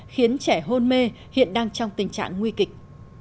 khiến trẻ hôn mê hiện đang trong tình trạng nguy kịch